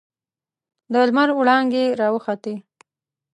د لمر وړانګې راوخوتې.